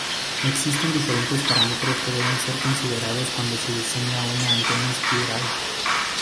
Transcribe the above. Existen diferentes parámetros que deben ser considerados cuando se diseña una antena espiral.